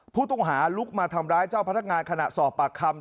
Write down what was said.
ผู้ต้องหาลุกมาทำร้ายเจ้าพนักงานขณะสอบปากคำ